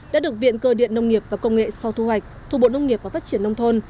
đã được viện cơ điện nông nghiệp và công nghệ sau thu hoạch thủ bộ nông nghiệp và phát triển nông thôn